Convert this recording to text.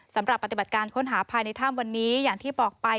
สำหรับปฏิบัติการค้นหาภายในถ้ำวันนี้อย่างที่บอกไป